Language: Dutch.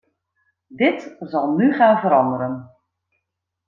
Dit zal nu gaan veranderen.